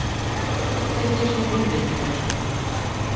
Па знешнім выглядзе бачна.